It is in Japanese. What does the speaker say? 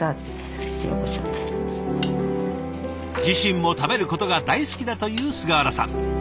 自身も食べることが大好きだという菅原さん。